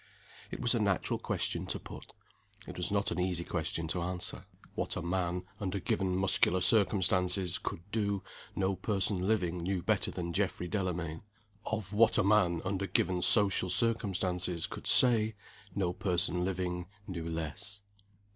It was a natural question to put. It was not an easy question to answer. What a man, under given muscular circumstances, could do, no person living knew better than Geoffrey Delamayn. Of what a man, under given social circumstances, could say, no person living knew less.